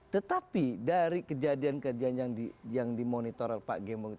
tetapi dari kejadian kejadian yang dimonitor pak gembong itu